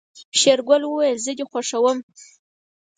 شېرګل وويل زه دې خوښوم.